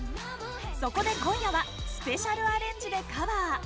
そこで今夜はスペシャルアレンジでカバー！